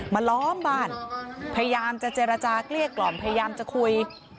ล้อมบ้านพยายามจะเจรจาเกลี้ยกล่อมพยายามจะคุย